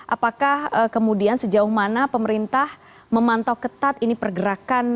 apakah kemudian sejauh mana pemerintah memantau ketat ini pergerakan